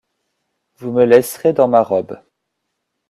Vous me laisserez dans ma robe.